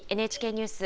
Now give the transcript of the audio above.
ＮＨＫニュース